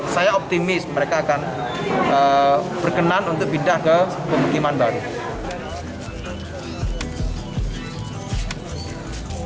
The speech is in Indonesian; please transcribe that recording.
saya optimis mereka akan berkenan untuk pindah ke pemukiman baru